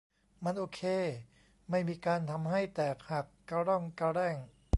มันโอเค ไม่มีการทำให้แตกหักกะร่องกะแร่ง